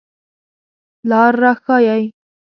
لار را ښایئ